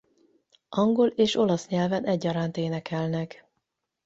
Angol és olasz nyelven egyaránt énekelnek.